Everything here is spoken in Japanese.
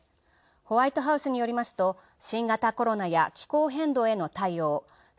ホワイトハウスによりますと新型コロナや気候変動への対応